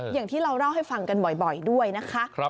อย่างที่เราเล่าให้ฟังกันบ่อยด้วยนะคะ